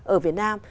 ở việt nam